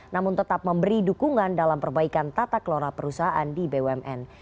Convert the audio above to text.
namun tetap memberi dukungan dalam perbaikan tata kelola perusahaan di bumn